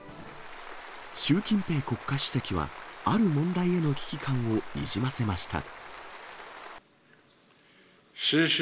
習近平国家主席はある問題への危機感をにじませました。